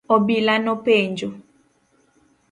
Obila nopenjo.